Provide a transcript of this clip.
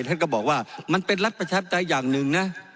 ท่านก็บอกว่ามันเป็นรัฐประชาปไตยอย่างหนึ่งนะ